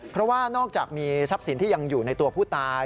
เพราะว่านอกจากมีทรัพย์สินที่ยังอยู่ในตัวผู้ตาย